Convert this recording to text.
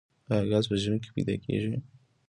آیا ګاز په ژمي کې پیدا کیږي؟